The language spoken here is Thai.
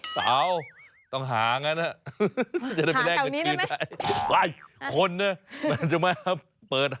นึกว่าเกิดวิญญาณนี้น่ะ